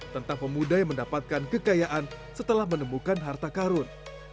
tentang pemuda yang mendapatkan kekayaan setelah menemukan harta karun